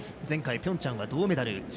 前回、ピョンチャンは銅メダル。